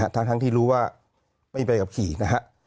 ทั้งที่รู้ว่าไม่มีใบขับขี่นะฮะ